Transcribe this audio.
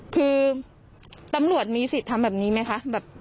คือตำรวจมีสิทธิ์ทำแบบนี้ไหมคะ